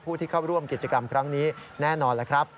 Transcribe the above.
ที่เข้าร่วมกิจกรรมครั้งนี้แน่นอนแล้วครับ